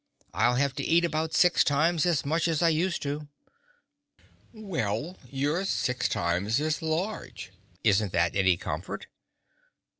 "I'll have to eat about six times as much as I used to." "Well, you're six times as large; isn't that any comfort?"